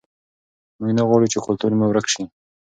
موږ نه غواړو چې کلتور مو ورک سي.